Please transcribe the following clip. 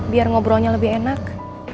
biar ngobrolnya lebih enak